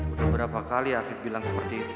sudah berapa kali afid bilang seperti itu